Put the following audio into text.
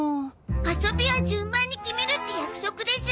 遊びは順番に決めるって約束でしょ。